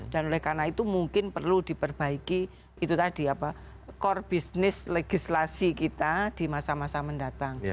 dan oleh karena itu mungkin perlu diperbaiki itu tadi apa core business legislasi kita di masa masa mendatang